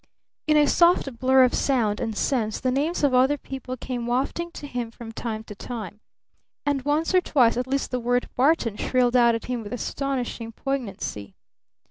In a soft blur of sound and sense the names of other people came wafting to him from time to time, and once or twice at least the word "Barton" shrilled out at him with astonishing poignancy.